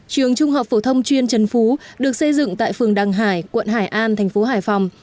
trường trung học phổ thông chuyên trần phú được xây dựng tại phường đăng hải quận hải an thành phố hải phòng